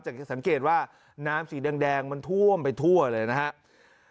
จะสังเกตว่าน้ำสีแดงมันท่วมไปทั่วเลยนะครับ